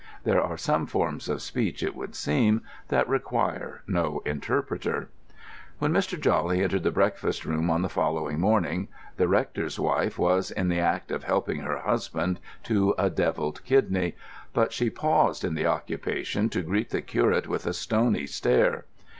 There are some forms of speech, it would seem, that require no interpreter. When Mr. Jawley entered the breakfast room on the following morning, the rector's wife was in the act of helping her husband to a devilled kidney, but she paused in the occupation to greet the curate with a stony stare.